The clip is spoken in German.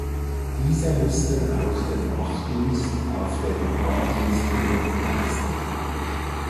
Diese mussten auch den Wachdienst auf dem Martinsturm leisten.